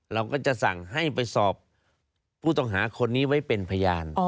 เราก็จะสั่งให้ไปสอบผู้ต้องหาคนนี้ไว้เป็นพยาน